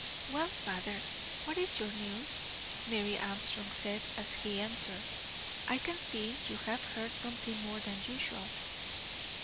"Well, father, what is your news?" Mary Armstrong said, as he entered. "I can see you have heard something more than usual."